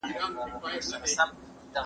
زه بايد پلان جوړ کړم!؟